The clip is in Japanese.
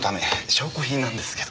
証拠品なんですけど。